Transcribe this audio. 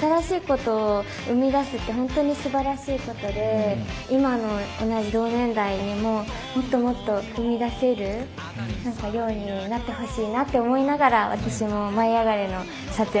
新しいことを生み出すって本当にすばらしいことで今の同じ同年代にももっともっと生み出せるようになってほしいなって思いながら私も「舞いあがれ！」の撮影も頑張りたいなって思いました。